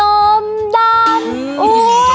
อ้วนดำ